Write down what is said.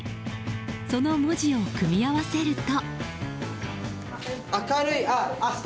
その文字を組み合わせると。